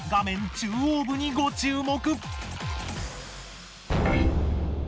中央部にご注目。